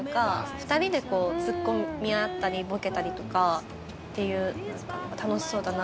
２人でツッコみ合ったりボケたりとかっていう楽しそうだなって。